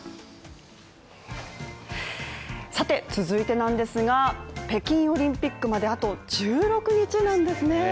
続いてなんですが、北京オリンピックまであと１６日なんですね